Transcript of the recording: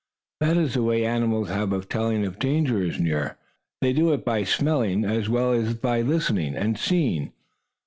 That is the way animals have of telling if danger is near. They do it by smelling as well as by listening and seeing.